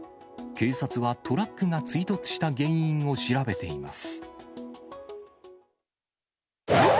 警察はトラックが追突した原因を調べています。